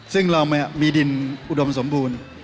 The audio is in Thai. ซึ่งเรามีดินอุดมสมบูรณ์